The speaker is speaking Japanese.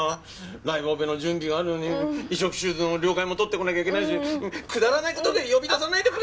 ライブオペの準備があるのに移植手術の了解も取ってこなきゃいけないしくだらない事で呼び出さないでくれ！